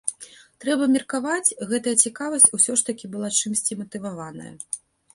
Трэба меркаваць, гэтая цікавасць усё ж такі была чымсьці матываваная.